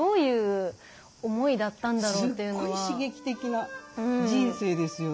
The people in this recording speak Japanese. すっごい刺激的な人生ですよね。